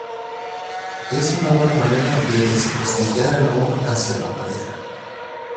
Es una buena manera de desprestigiar el amor hacia la pareja.